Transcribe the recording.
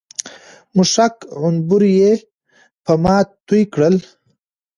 مښک، عنبر يې په ما توى کړل